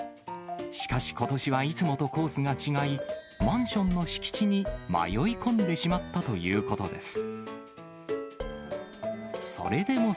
しかし、ことしはいつもとコースが違い、マンションの敷地に迷い込んでしまったということです。